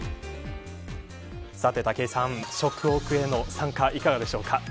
さて、武井さん食オクへの参加いかがでしょうか。